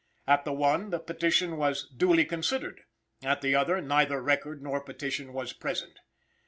At the one, the petition was "duly considered," at the other, neither record nor petition was present.